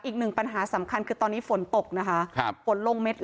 อีกหนึ่งปัญหาสำคัญคือตอนนี้ฝนตกนะคะฝนลงเม็ดละ